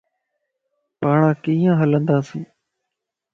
پاڻان ڪيئن ھلنداسين؟